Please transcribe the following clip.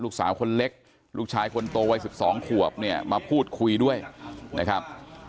ลูกสาวคนเล็กลูกชายคนโตวัย๑๒ขวบเนี่ยมาพูดคุยด้วยนะครับ